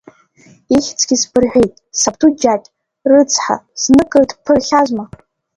Ихьӡгьы сбырҳәеит, сабду Џьакь рыцҳа зныкыр дԥырхьазма?